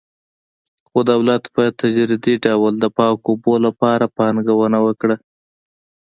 خو دولت په تدریجي توګه د پاکو اوبو لپاره پانګونه وکړه.